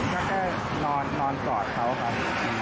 แค่นอนชอตเขาครับ